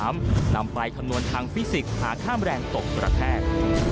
นำไปคำนวณทางฟิสิกส์หาข้ามแรงตกกระแทก